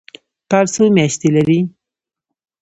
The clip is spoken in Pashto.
کال څو میاشتې لري؟